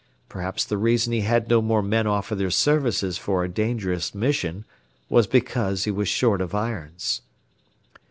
Perhaps the reason he had no more men offer their services for a dangerous mission was because he was short of irons."